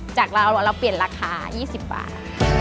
จากเราเราเปลี่ยนราคา๒๐บาท